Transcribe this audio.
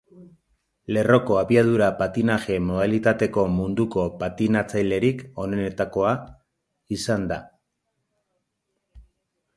Lerroko abiadura-patinaje modalitateko munduko patinatzailerik onenetakoa izan da.